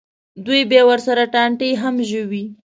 دوی بیا ورسره ټانټې هم ژووي.